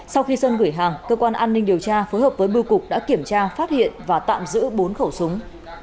sau khi sơn gửi hàng cơ quan an ninh điều tra phối hợp với bưu cục đã kiểm tra phát hiện và tạm giữ bốn khẩu súng